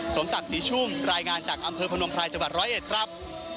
สมศักดิ์ศรีชุ่มรายงานจากอำเภอพนมไพรจังหวัดร้อยเอ็ดครับ